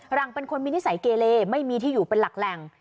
หลังเป็นคนมีนิสัยเกเลไม่มีที่อยู่เป็นหลักแหล่ง